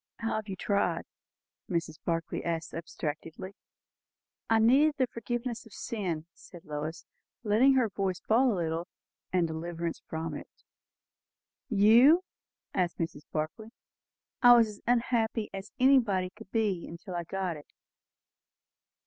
"How have you tried?" Mrs. Barclay asked abstractedly. "I needed the forgiveness of sin," said Lois, letting her voice fall a little, "and deliverance from it." "You!" said Mrs. Barclay. "I was as unhappy as anybody could be till I got it."